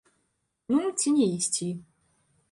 Ну, ці не ісці.